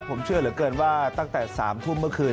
ผมเชื่อเหลือเกินว่าตั้งแต่๓ทุ่มเมื่อคืน